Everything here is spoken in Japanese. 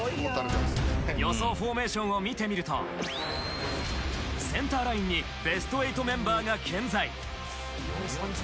予想フォーメーションを見てみるとセンターラインにベスト８メンバーが健在。